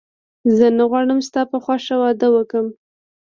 زه نه غواړم ستا په خوښه واده وکړم